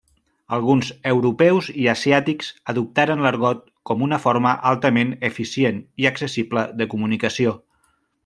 Alguns europeus i asiàtics adoptaren l'argot com una forma altament eficient i accessible de comunicació.